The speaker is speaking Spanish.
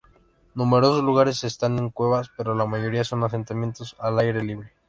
Numerosos lugares están en cuevas, pero la mayoría son asentamientos al aire libre.